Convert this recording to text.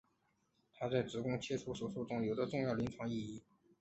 它在子宫切除术中有重要临床意义。